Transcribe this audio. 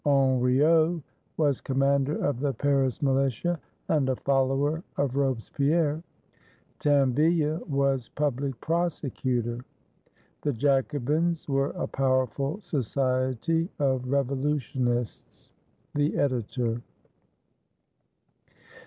Henriot was commander of the Paris militia and a follower of Robes pierre. Tinville was public prosecutor. The Jacobins were a powerful society of revolutionists. The Editor.